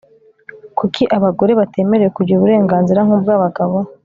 Kuki abagore batemerewe kugira uburenganzira nkubwabagabo